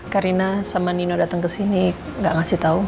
karina sama nino datang kesini nggak ngasih tahu